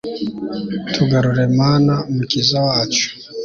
tugarure, mana mukiza wacu